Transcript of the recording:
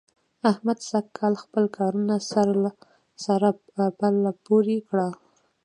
احمد سږکال خپل کارونه سره پرله پورې کړل.